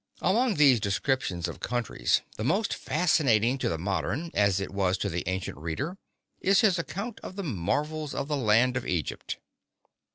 Among these descriptions of countries the most fascinating to the modern, as it was to the ancient, reader is his account of the marvels of the land of Egypt.